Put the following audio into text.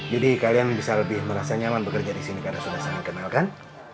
jadi kalian bisa lebih merasa nyaman bekerja di sini karena sudah saling kenal kan